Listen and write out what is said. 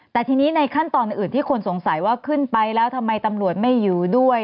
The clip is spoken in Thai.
แต่ทีนี้ในขั้นตอนอื่นที่คนสงสัยว่าขึ้นไปแล้วทำไมตำรวจไม่อยู่ด้วย